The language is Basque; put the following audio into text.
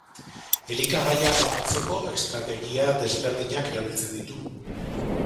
Elikagaia lortzeko estrategia desberdinak erabiltzen ditu.